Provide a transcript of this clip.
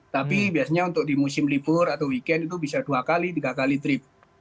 tapi biasanya untuk di musim libur atau weekend itu bisa dua kali tiga kali trip